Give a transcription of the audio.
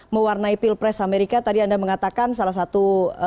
mewarnai pilpres amerika tadi anda mengatakan salah satu